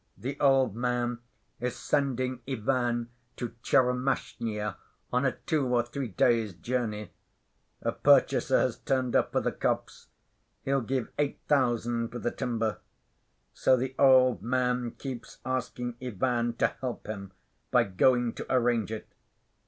The old man is sending Ivan to Tchermashnya on a two or three days' journey. A purchaser has turned up for the copse: he'll give eight thousand for the timber. So the old man keeps asking Ivan to help him by going to arrange it.